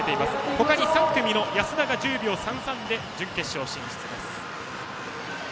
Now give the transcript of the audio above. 他に３組の安田が１０秒３３で準決勝進出です。